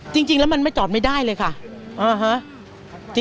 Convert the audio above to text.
จริงแล้วมันไม่จอดไม่ได้เลยค่ะ